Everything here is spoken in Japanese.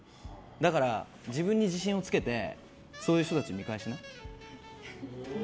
だから、自分に自信をつけてそういう人たちを見返しな。